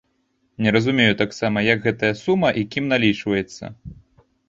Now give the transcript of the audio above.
Не разумею таксама, як гэтая сума і кім налічваецца.